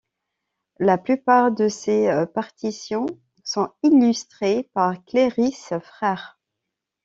La plupart de ses partitions sont illustrées par Clérice Frères.